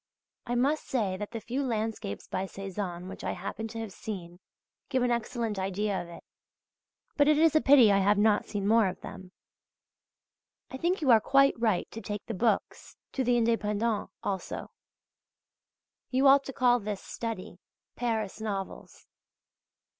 I must say that the few landscapes by Cézanne which I happen to have seen, give an excellent idea of it; but it is a pity I have not seen more of them. I think you are quite right to take the "Books" to the "Indépendents" also; you ought to call this study "Paris Novels."